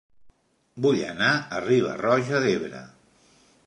Vull anar a Riba-roja d'Ebre